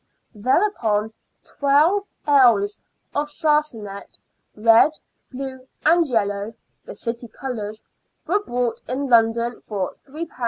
Thereupon, " 12 ells of sarsenet, red, blue and yellow "— the city colours — were bought in London for ;^3 5s.